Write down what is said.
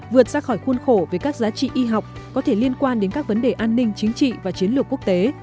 vượt ra khỏi khuôn khổ về các giá trị y học có thể liên quan đến các vấn đề an ninh chính trị và chiến lược quốc tế